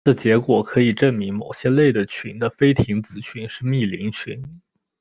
这结果可以证明某些类的群的菲廷子群是幂零群。